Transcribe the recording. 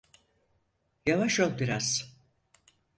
Yavaş ol biraz.